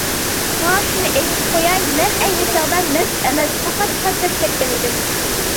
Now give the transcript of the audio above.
ساڭا شۇنى ئېيتىپ قوياي، مەن ئەينى چاغدا مەست ئەمەس، پەقەت چارچاپ كەتكەن ئىدىم.